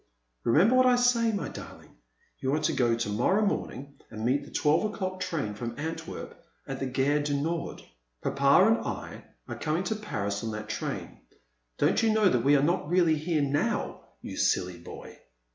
Remember what I say, my darling ; you are to go to morrow morning and meet the twelve o'clock train from Antwerp at the Gare du Nord. Papa and I are coming to Paris on that train. Don't you know that we are not really here now, you silly boy